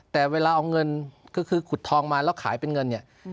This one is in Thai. แต่เวลาเอาเงินก็คือขุดทองมาแล้วขายเป็นเงินเนี่ย